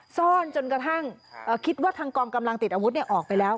ซ่อนจนกระทั่งคิดว่าทางกองกำลังติดอาวุธออกไปแล้ว